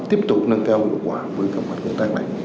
tiếp tục nâng cao hiệu quả với cộng đồng công tác lãnh